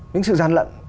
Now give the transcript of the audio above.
những sự gian lận